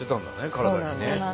体にね。